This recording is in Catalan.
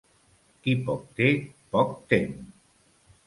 Qui poc té, poc tem.